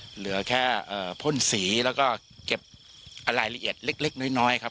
เหลือแค่เอ่อพ่นสีแล้วก็เก็บอะไรละเอียดเล็กเล็กน้อยน้อยครับ